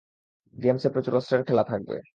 গেমসে প্রচুর অস্ত্রের খেলা থাকবে!